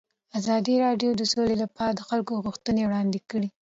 ازادي راډیو د سوله لپاره د خلکو غوښتنې وړاندې کړي.